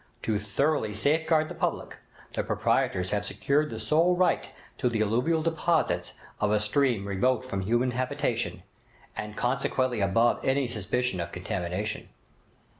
To thoroughly safeguard the public, the proprietors have secured the sole right to the alluvial deposits of a stream remote from human habitation, and consequently above any suspicion of contamination.